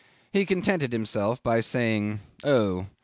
He contented himself by saying, "Oh!"